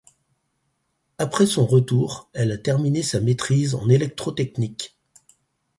Après son retour, elle a terminé sa maîtrise en électrotechnique.